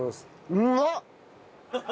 うまっ！